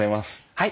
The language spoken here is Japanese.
はい。